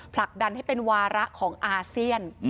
ผลักดันให้เป็นวาระของอาเซียน